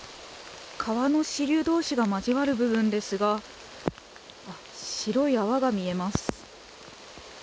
川の支流どうしが交わる部分ですが、あっ、白い泡が見えます。